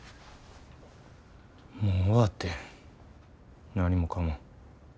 もう終わってん何もかも。